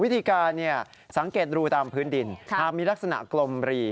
วิธีการสังเกตรูตามพื้นดินหากมีลักษณะกลมรี